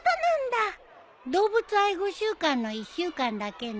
動物愛護週間の１週間だけね。